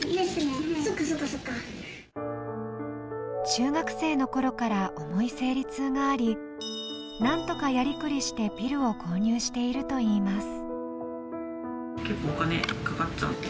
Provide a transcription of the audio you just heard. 中学生のころから重い生理痛があり何とか、やりくりしてピルを購入しているといいます。